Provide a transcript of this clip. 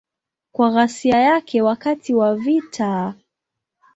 Kwa ghasia yake wakati wa vita.